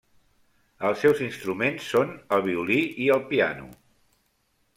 Els seus instruments són el violí i el piano.